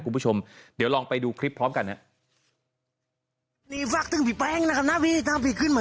คุณผู้ชมเดี๋ยวลองไปดูคลิปพร้อมกันครับ